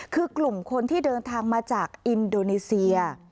คือกลุ่มคนที่เดินทางมาจากอินโดนีเซีย